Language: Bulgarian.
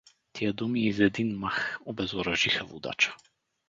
Тия думи из един мах обезоръжиха водача.